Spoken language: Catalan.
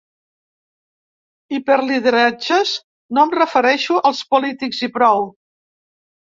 I per lideratges no em refereixo als polítics i prou.